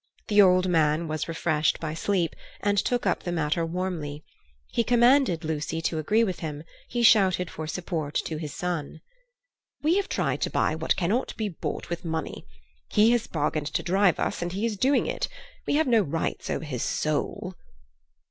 The old man was refreshed by sleep, and took up the matter warmly. He commanded Lucy to agree with him; he shouted for support to his son. "We have tried to buy what cannot be bought with money. He has bargained to drive us, and he is doing it. We have no rights over his soul."